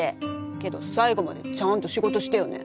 けど最後までちゃんと仕事してよね。